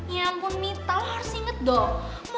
ya ampun mita lo harus ingat dong